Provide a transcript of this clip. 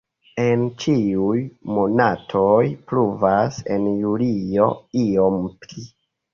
En ĉiuj monatoj pluvas, en julio iom pli.